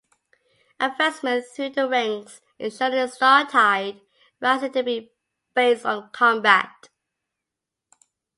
Advancement through the ranks is shown in Startide Rising to be based on combat.